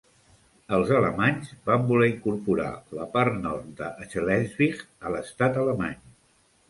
Els alemanys van voler incorporar la part nord de Schleswig a l'estat alemany.